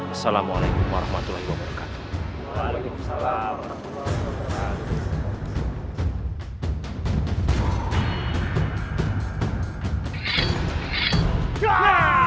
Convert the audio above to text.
assalamualaikum warahmatullahi wabarakatuh